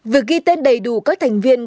việc ghi tên đầy đủ các thành viên